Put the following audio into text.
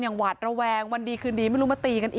ช่องบ้านต้องช่วยแจ้งเจ้าหน้าที่เพราะว่าโดนฟันแผลเวิกวะค่ะ